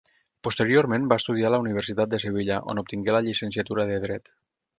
Posteriorment va estudiar a la Universitat de Sevilla, on obtingué la llicenciatura de dret.